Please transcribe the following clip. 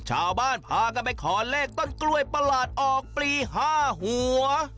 ชาวบ้านพากันไปขอเลขต้นกล้วยประหลาดออกปลี๕หัว